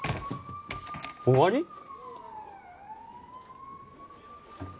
終わり？